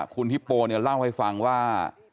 คุณฮิปโปเนี่ยเล่าให้ฟังว่า